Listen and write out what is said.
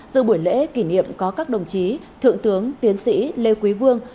giữa buổi lễ kỷ niệm có các đồng chí thượng tướng tiến sĩ lê quý vương